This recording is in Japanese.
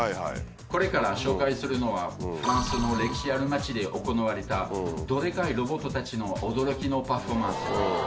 これから紹介するのは、フランスの歴史ある町で行われた、どでかいロボットたちの驚きのパフォーマンス。